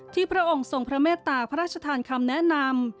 พระองค์ทรงพระเมตตาพระราชทานคำแนะนำ